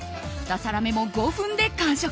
２皿目も５分で完食。